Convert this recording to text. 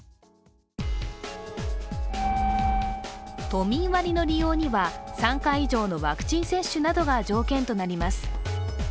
都民割の利用には、３回以上のワクチン接種などが条件となります。